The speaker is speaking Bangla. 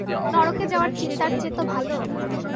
নরকে যাওয়ার চিন্তার চেয়ে তো ভালো।